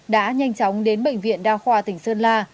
đã nhanh chóng đến bệnh viện đa khoa tỉnh sơn la